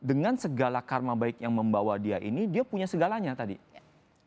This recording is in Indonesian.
dan dengan segala karma baik yang membawa dia ini dia mempunyai kemampuan untuk membangun kemampuan